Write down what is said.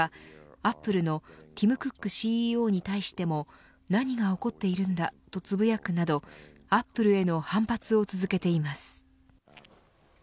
アップルのティム・クックＣＥＯに対しても何が起こっているんだとつぶやくなどアップルへの反発を続けています。